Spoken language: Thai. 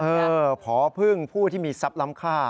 โอ้โหพอพึ่งผู้ที่มีศัพท์ร้ำค่า